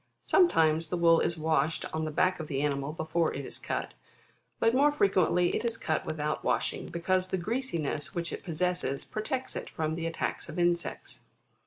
Sometimes, the wool is washed on the back of the animal before it is cut ; but more fre quently it is cut without washing, because the greasiness which it possesses protects it from the attacks of insects.